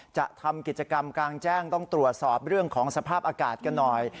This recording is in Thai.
จะทำกิจกรรมกลางแจ้งต้องตรวจสอบเรื่องของสภาพอากาศกันหน่อย